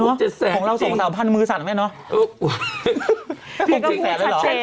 ของเราสองสาวพันมือสั่นแม่น็อเออพี่ก็พูดเสร็จเอง